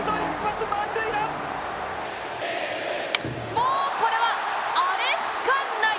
もうこれは、「アレ」しかない！